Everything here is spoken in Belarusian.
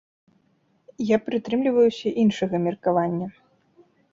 Я прытрымліваюся іншага меркавання.